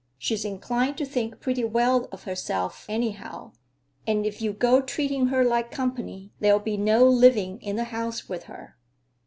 "She's inclined to think pretty well of herself, anyhow, and if you go treating her like company, there'll be no living in the house with her."